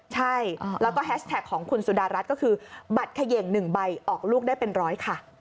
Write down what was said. ใช่แล้วก็แฮชแท็กของคุณสุดารัฐก็คือบัตรเขย่ง๑ใบออกลูกได้เป็นร้อยค่ะ